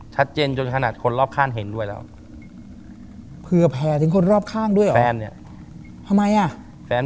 ชัดเจนจนขนาดคนรอบข้างเห็นด้วยแล้ว